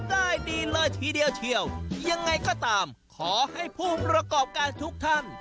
ได้ดีเลยทีเดียวเชียวยังไงก็ตามขอให้ผู้ประกอบการทุกท่าน